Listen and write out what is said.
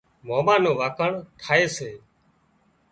ماما نان وکاڻ ٿائي سي